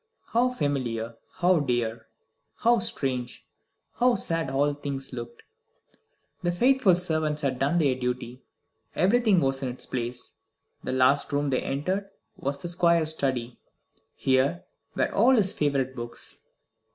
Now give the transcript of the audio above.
How familiar, how dear, how strange, how sad all things looked! The faithful servants had done their duty. Everything was in its place. The last room they entered was the Squire's study. Here were all his favourite books.